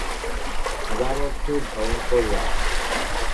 যার অর্থ ভয়ঙ্কর রাত।